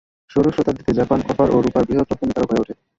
ষোড়শ শতাব্দীতে Japan copper ও রূপার বৃহৎ রপ্তানিকারক হয়ে ওঠে।